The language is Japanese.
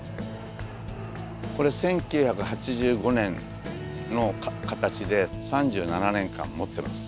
これ１９８５年の形で３７年間もってます